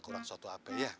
kurang suatu ape ya